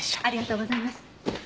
ありがとうございます。